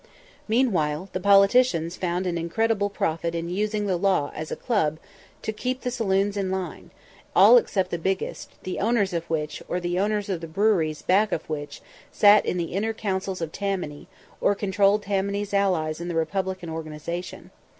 Meanwhile the politicians found an incredible profit in using the law as a club to keep the saloons in line; all except the biggest, the owners of which, or the owners of the breweries back of which, sat in the inner councils of Tammany, or controlled Tammany's allies in the Republican organization.